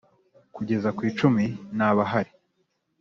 Kugeza ku icumi ntabahari.